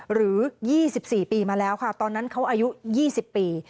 หรือ๒๔ปีมาแล้วค่ะตอนนั้นเขาอายุ๒๐ปี